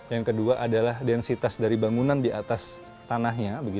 yang kedua adalah densitas dari bangunan di atas tanahnya